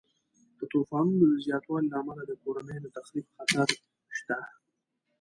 د طوفانونو د زیاتوالي له امله د کورنیو د تخریب خطر شته.